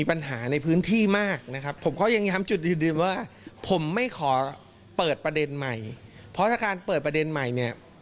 เพราะถ้าการเปิดประเด็นใหม่เนี่ย